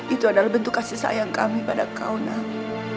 itu adalah bentuk kasih sayang kami pada kau nabi